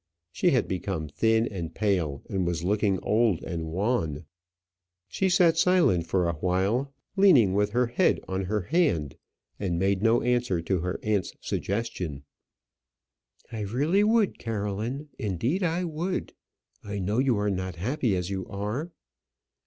She had become thin and pale, and was looking old and wan. She sat silent for awhile, leaning with her head on her hand, and made no answer to her aunt's suggestion. "I really would, Caroline; indeed, I would. I know you are not happy as you are."